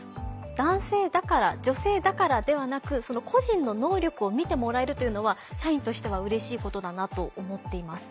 男性だから女性だからではなくその個人の能力を見てもらえるというのは社員としてはうれしいことだなと思っています。